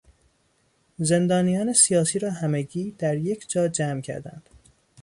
زندانیان سیاسی را همگی در یک جا جمع کردند.